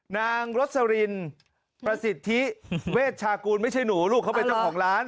นางรสรินประสิทธิเวชชากูลไม่ใช่หนูลูกเขาเป็นเจ้าของร้าน